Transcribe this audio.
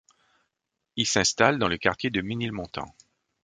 Il s'installe dans le quartier de Ménilmontant.